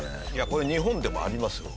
これ日本でもありますよ。